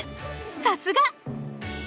さすが！